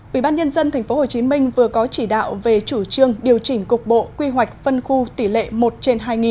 ủy ban nhân dân tp hcm vừa có chỉ đạo về chủ trương điều chỉnh cục bộ quy hoạch phân khu tỷ lệ một trên hai